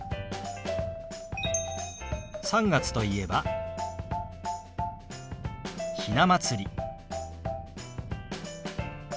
３月といえば「ひな祭り」。